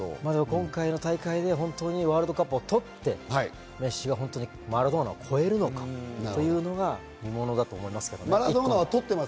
今回の大会でワールドカップを取って、メッシがマラドーナを超えるのかというのは、みものだと思いますけどね。